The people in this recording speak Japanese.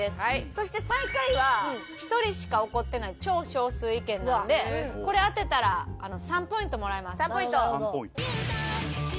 そして最下位は１人しか怒ってない超少数意見なのでこれ当てたら３ポイントもらえます。